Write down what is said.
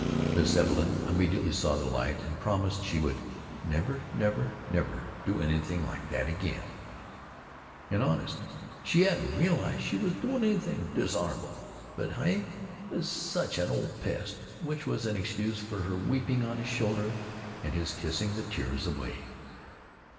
Miss Evelyn immediately saw the light and promised she would "never, never, never do anythin' like that again, and, honest, she hadn't realized she was doing anythin' dishon'able, but Heye is such an old pest"; which was an excuse for her weeping on his shoulder and his kissing the tears away.